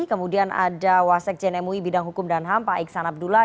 kemudian ada wasek jnmui bidang hukum dan ham pak iksan abdullah